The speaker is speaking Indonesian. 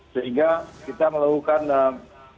sehingga kita melakukan